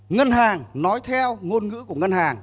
ngân hàng nói theo ngôn ngữ của ngân hàng